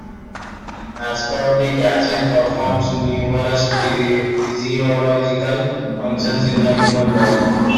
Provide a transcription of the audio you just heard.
Ascorbic acid performs numerous physiological functions in the human body.